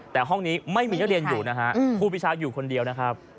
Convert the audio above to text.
แต่ห้องนี้ไม่มีนักเรียนอยู่นะฮะครูปีชาอยู่คนเดียวนะครับ